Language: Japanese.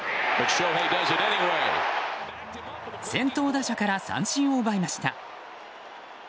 先頭打者から三振を奪いました。